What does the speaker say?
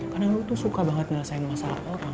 karena lo tuh suka banget ngerasain masalah orang